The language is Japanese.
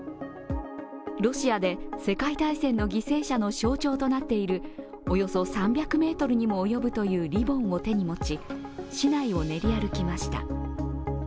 ロシアで世界大戦の犠牲者の象徴となっているおよそ３００ｍにも及ぶというリボンを手に持ち、市内を練り歩きました。